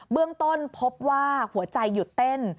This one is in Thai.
เบื้องต้นพบว่าหัวใจหยุดเต้น